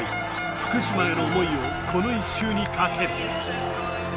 福島への思いを、この１周にかける。